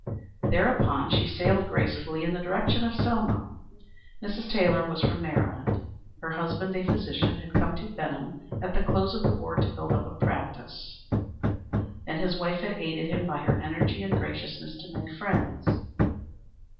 Thereupon she sailed gracefully in the direction of Selma. Mrs. Taylor was from Maryland. Her husband, a physician, had come to Benham at the close of the war to build up a practice, and his wife had aided him by her energy and graciousness to make friends.